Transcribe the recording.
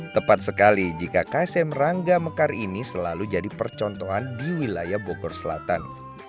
tepat sekali jika ksm rangga mekar ini selalu jadi percontohan di wilayah bogor selatan